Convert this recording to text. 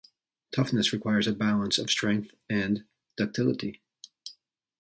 Toughness requires a balance of strength and ductility.